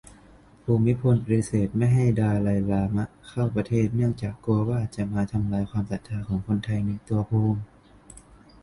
ภูมิพลปฏิเสธไม่ให้ดาไลลามะ เข้าประเทศ เนื่องจากกลัวว่า จะมาทำลายความศรัทธาของคนไทยในตัวภูมิ